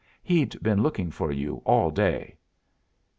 He'd been looking for you all day."